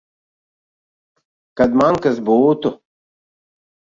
Kad man kas būtu.